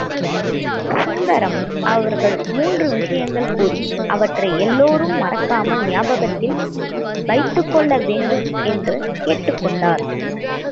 சுந்தரம் அவர் மூன்று விஷயங்கள் கூறி அவற்றை எல்லோரும் மறக்காமல் ஞாபகத்தில் வைத்துக்கொள்ள வேண்டும் என்று கேட்டுக்கொண்டார்.